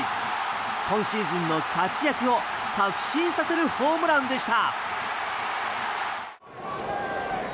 今シーズンの活躍を確信させるホームランでした。